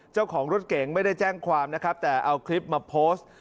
เจ้าของรถเก๋งไม่ได้แจ้งความนะครับแต่เอาคลิปมาโพสต์